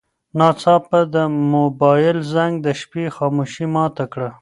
ناڅاپه د موبایل زنګ د شپې خاموشي ماته کړه.